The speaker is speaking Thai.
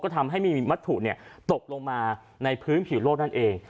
ทำให้ไม่มีวัตถุตกลงมาในพื้นผิวโลกนั่นเอง